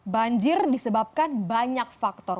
banjir disebabkan banyak faktor